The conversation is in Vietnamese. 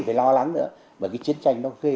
phải lo lắng nữa bởi cái chiến tranh nó gây